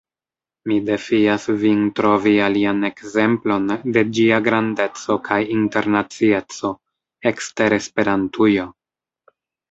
Mi defias vin trovi alian ekzemplon de ĝia grandeco kaj internacieco, ekster Esperantujo.